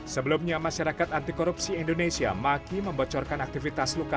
sebelumnya masyarakat anti korupsi indonesia makin membocorkan aktivitas luka